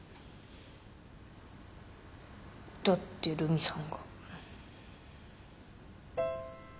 だって留美さんが。